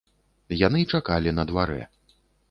Яны чакалі на дварэ.